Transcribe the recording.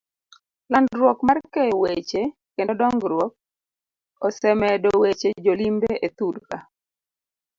Landruok mar keyo weche kendo dong'ruok, osemedo weche jo limbe e thurka.